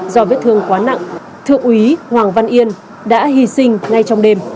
do vết thương quá nặng thượng úy hoàng văn yên đã hy sinh ngay trong đêm